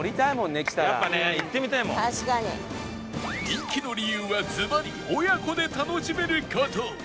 人気の理由はズバリ親子で楽しめる事！